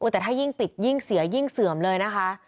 แต่ถ้ายิ่งปิดยิ่งเสียยิ่งเสื่อมเลยนะคะ